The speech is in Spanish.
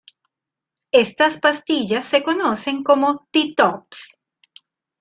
Estas pastillas se conocen como "T-tops".